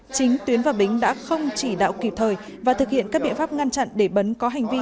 chính tuyến và bính đã không chỉ đạo kịp thời và thực hiện các biện pháp ngăn chặn để bấn có hành vi